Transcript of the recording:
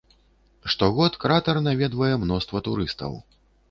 Штогод кратар наведвае мноства турыстаў.